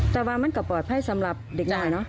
แต่ว่ามันก็ปลอดภัยสำหรับเด็กหน่อยเนาะ